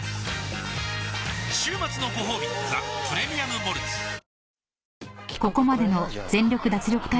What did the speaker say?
週末のごほうび「ザ・プレミアム・モルツ」おおーーッ